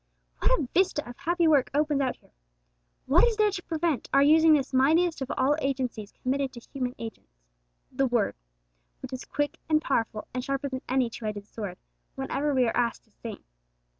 What a vista of happy work opens out here! What is there to prevent our using this mightiest of all agencies committed to human agents, the Word, which is quick and powerful, and sharper than any two edged sword, whenever we are asked to sing?